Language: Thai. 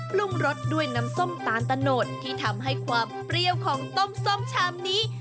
ปรุงรสด้วยน้ำส้มตาลตะโนดที่ทำให้ความเปรี้ยวของต้มส้มชามนี้